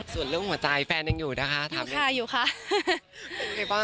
ส่วนเรื่องหัวใจแฟนยังอยู่นะคะถามเลยค่ะอยู่ค่ะ